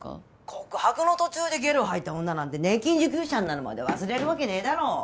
告白の途中でゲロ吐いた女なんて年金受給者になるまで忘れるわけねえだろ